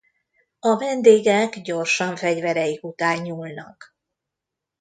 A vendégek gyorsan fegyvereik után nyúlnak.